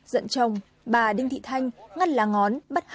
dẫn chồng bà đinh thị thanh ngắt lá ngón bắt hai đứa